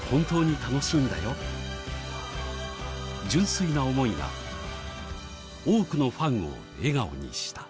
純粋な思いが多くのファンを笑顔にした